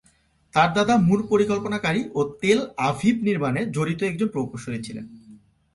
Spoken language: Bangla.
তার দাদা মূল পরিকল্পনাকারী ও তেল আভিভ নির্মাণে জড়িত একজন প্রকৌশলী ছিলেন।